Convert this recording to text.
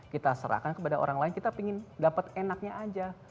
kita serahkan kepada orang lain kita ingin dapat enaknya aja